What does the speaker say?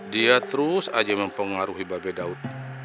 dia terus aja mempengaruhi babe daud